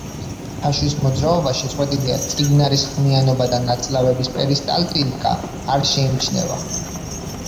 ფაშვის მოძრაობა შეწყვეტილია, წიგნარის ხმიანობა და ნაწლავების პერისტალტიკა არ შეიმჩნევა.